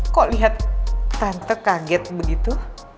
kok lihat tante kaget begitu